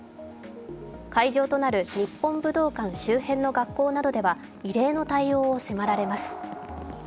会場となる日本武道館周辺の学校などでは異例の対応を迫られます。